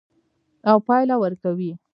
او پایله ورکوي.